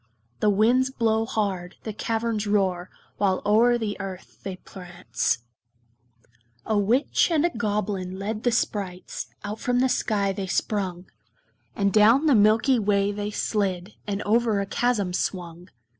The winds blow hard, the caverns roar, While o'er the earth they prance. A Witch and a Goblin led the sprites; Out from the sky they sprung; And down the milky way they slid, And over a chasm swung.